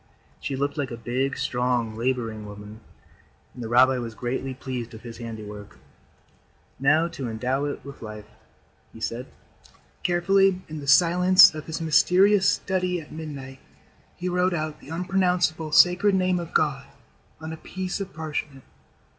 She looked like a big, strong, laboring woman, and the rabbi was greatly pleased with his handiwork. "Now to endow it with life," he said. Carefully, in the silence of his mysterious study at midnight, he wrote out the Unpronounceable Sacred Name of God on a piece of parchment.